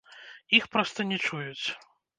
Іх проста не чуюць.